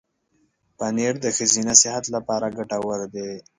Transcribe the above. پنېر د ښځینه صحت لپاره ګټور دی.